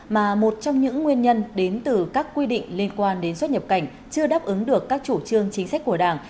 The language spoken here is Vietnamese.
mà một trong những nguyên nhân đến từ các quy định liên quan đến xuất nhập cảnh chưa đáp ứng được các chủ trương chính sách của đảng